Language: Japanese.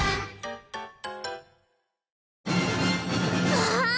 わあ！